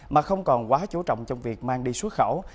mà không còn quá chú trọng trong việc mang đi xuất khẩu